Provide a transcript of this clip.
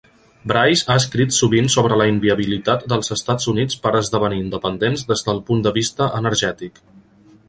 Bryce ha escrit sovint sobre la inviabilitat dels Estats Units per esdevenir independents des del punt de vista energètic.